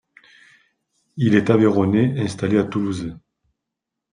Il est Aveyronnais installé à Toulouse.